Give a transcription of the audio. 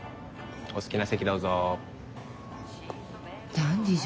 お好きな席どうぞ。